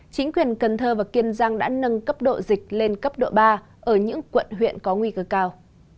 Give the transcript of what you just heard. chính quyền cần thơ và kiên giang đã nâng cấp độ dịch lên cấp độ ba ở những quận huyện có nguy cơ cao